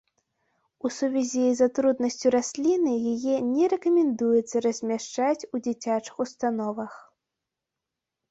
У сувязі з атрутнасцю расліны яе не рэкамендуецца размяшчаць у дзіцячых установах.